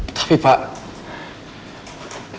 aku gak punya pilihan lain